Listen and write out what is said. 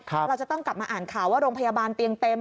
เราจะต้องกลับมาอ่านข่าวว่าโรงพยาบาลเตียงเต็ม